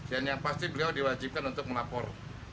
dan yang pasti beliau diwajibkan untuk melapor